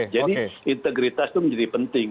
jadi integritas itu menjadi penting